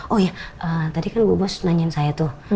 oh ya tadi kan bu bos nanyain saya tuh